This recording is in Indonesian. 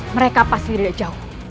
mereka pasti tidak jauh